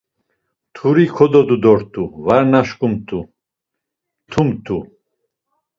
Mturi kododu dort̆u, var naşǩumt̆u, mtumt̆u.